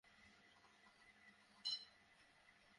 ফলে বিদ্যুৎ–প্রবাহ তৈরি হলো পরিবাহী তারে।